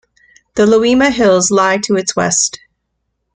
The Loima Hills lie to its west.